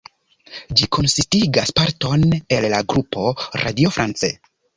Ĝi konsistigas parton el la grupo Radio France.